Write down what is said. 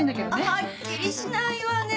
はっきりしないわね。